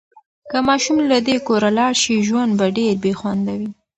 که ماشوم له دې کوره لاړ شي، ژوند به ډېر بې خونده وي.